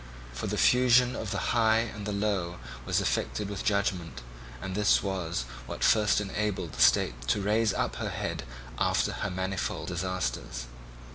For the fusion of the high and the low was effected with judgment, and this was what first enabled the state to raise up her head after her manifold disasters.